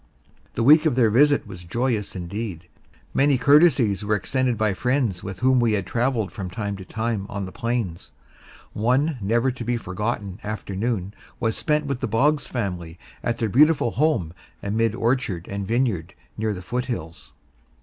The week of their visit was joyous indeed. Many courtesies were extended by friends with whom we had travelled from time to time on the plains. One never to be forgotten afternoon was spent with the Boggs family at their beautiful home amid orchard and vineyard near the foothills.